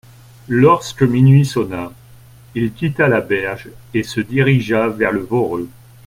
Lorsque minuit sonna, il quitta la berge et se dirigea vers le Voreux.